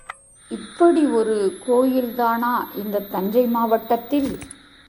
இப்படி ஒரு கோயில்தானா இந்தத் தஞ்சை மாவட்டத்தில்?